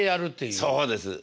そうです。